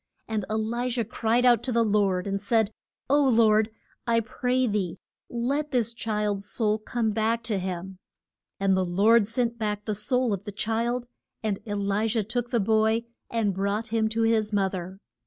And E li jah cried to the Lord, and said, O Lord, I pray thee let this child's soul come back to him. And the Lord sent back the soul of the child, and E li jah took the boy and brought him to his moth er.